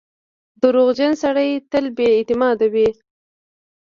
• دروغجن سړی تل بې اعتماده وي.